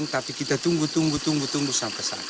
tapi kita tunggu tunggu tunggu sampai saat ini